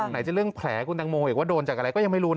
ไหนจะเรื่องแผลคุณตังโมอีกว่าโดนจากอะไรก็ยังไม่รู้นะ